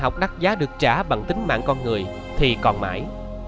các giá được trả bằng tính mạng con người thì còn mãi